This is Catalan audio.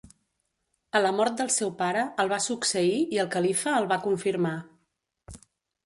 A la mort del seu pare el va succeir i el califa el va confirmar.